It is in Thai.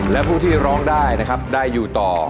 และผู้ที่ร้องได้นะครับได้อยู่ต่อ